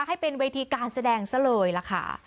ให้เป็นเวทีการแสดงซะเลยล่ะค่ะ